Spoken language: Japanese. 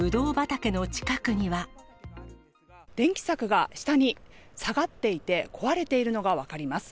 電気柵が下に下がっていて、壊れているのが分かります。